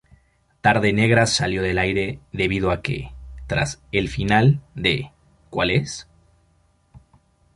Tarde negra salió del aire debido a que, tras el final de ¿Cuál es?